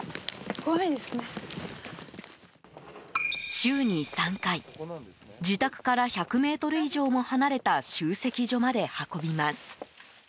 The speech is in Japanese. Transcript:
週に３回自宅から１００ｍ以上も離れた集積所まで運びます。